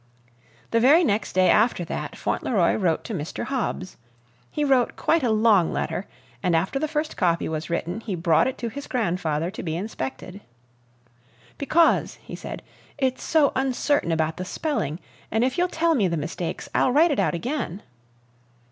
The very next day after that, Fauntleroy wrote to Mr. Hobbs. He wrote quite a long letter, and after the first copy was written, he brought it to his grandfather to be inspected. "Because," he said, "it's so uncertain about the spelling. And if you'll tell me the mistakes, I'll write it out again."